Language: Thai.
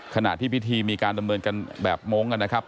ขณะที่พิธีมีการดำเนินกันแบบมงค์กันนะครับ